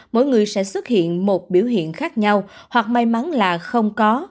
mỗi người sẽ xuất hiện một biểu hiện khác nhau hoặc may mắn là không có